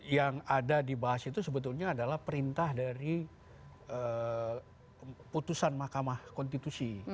yang ada dibahas itu sebetulnya adalah perintah dari putusan mahkamah konstitusi